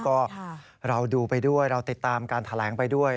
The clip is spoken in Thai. ก็เราดูไปด้วยเราติดตามการแถลงไปด้วย